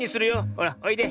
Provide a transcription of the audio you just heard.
ほらおいで。